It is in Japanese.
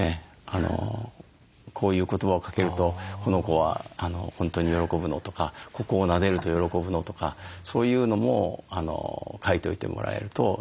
こういう言葉をかけるとこの子は本当に喜ぶのとかここをなでると喜ぶのとかそういうのも書いておいてもらえると一番いいんじゃないかなと思います。